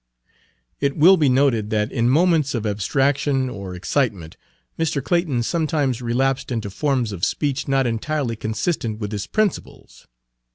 It will be noted that in moments of abstraction or excitement Mr. Clayton sometimes relapsed into forms of speech not entirely consistent with his principles.